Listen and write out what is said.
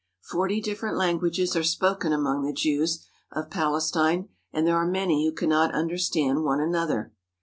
Forty different languages are spoken among the Jews of Palestine, and there are many who cannot understand one another.